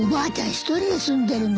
一人で住んでるの。